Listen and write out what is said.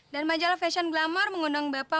dan majalah fashion glamour mengundang bapak